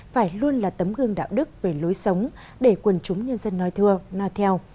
phải luôn là tấm gương đạo đức về lối sống để quần chúng nhân dân nói thưa nói theo